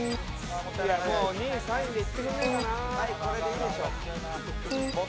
もう２位３位でいってくれないかな。